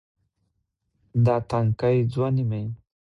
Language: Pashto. دا تنکے ځواني مې